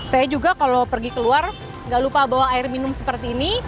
saya juga kalau pergi keluar nggak lupa bawa air minum seperti ini